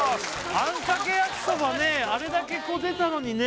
あんかけ焼きそばねあれだけこう出たのにね